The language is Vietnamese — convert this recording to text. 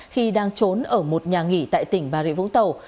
khi đang trốn ở một nhà nghỉ tại tỉnh bà rịa vũng tàu